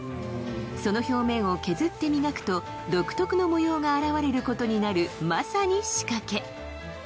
その表面を削って磨くと独特の模様が現れることになるまさに仕掛け！